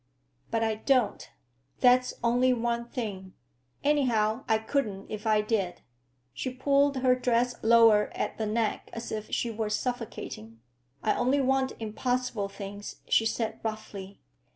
"But I don't. That's only one thing. Anyhow, I couldn't if I did." She pulled her dress lower at the neck as if she were suffocating. "I only want impossible things," she said roughly.